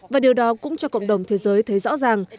và điều đó cũng cho cộng đồng thế giới thấy rõ ràng